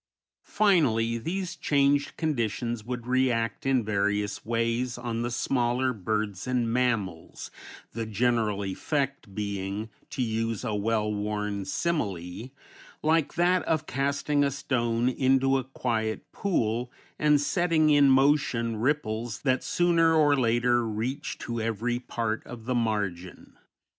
Finally, these changed conditions would react in various ways on the smaller birds and mammals, the general effect being, to use a well worn simile, like that of casting a stone into a quiet pool and setting in motion ripples that sooner or later reach to every part of the margin.